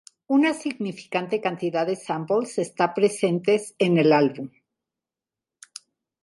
Una significante cantidad de samples está presentes en el álbum.